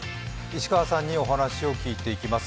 石川さんにお話を聞いていきます。